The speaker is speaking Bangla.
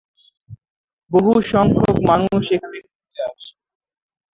বহু সংখ্যক মানুষ এখানে ঘুরতে আসে।